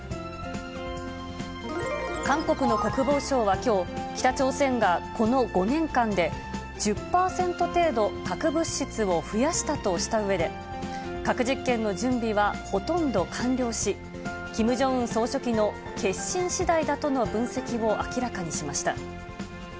韓国の国防省はきょう、北朝鮮がこの５年間で１０％程度、核物質を増やしたとしたうえで、核実験の準備はほとんど完了し、キム・ジョンウン総書記の決心しだいだとの分析を明らかにしました。